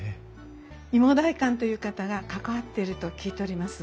いも代官という方が関わっていると聞いております。